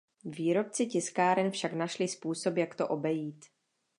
Výrobci tiskáren však našli způsob, jak to obejít.